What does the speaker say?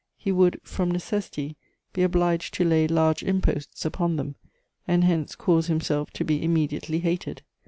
He would, from necessity, be obliged to lay large imposts upon them, and hence cause himself to be immediately hated.